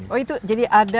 oh itu jadi ada